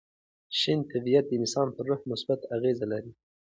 شین طبیعت د انسان پر روح مثبت اغېزه لري.